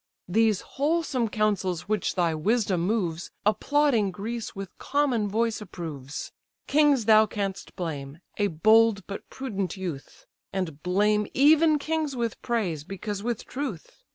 These wholesome counsels which thy wisdom moves, Applauding Greece with common voice approves. Kings thou canst blame; a bold but prudent youth: And blame even kings with praise, because with truth.